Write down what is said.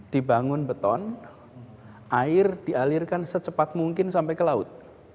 dibangun beton air dialirkan secepat mungkin sampai ke laut